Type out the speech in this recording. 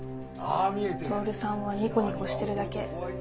透さんはニコニコしてるだけ。